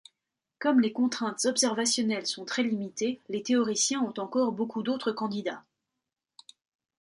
Comme les contraintes observationnelles sont très limitées, les théoriciens ont encore beaucoup d'autres candidats.